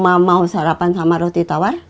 mama mau sarapan sama roti tawar